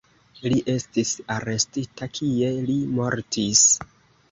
Li estis arestita, kie li mortis.